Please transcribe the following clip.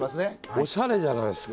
おしゃれじゃないですか。